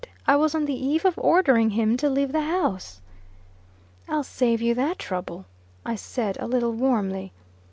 I was on the eve of ordering him to leave the house." "I'll save you that trouble," I said, a little warmly.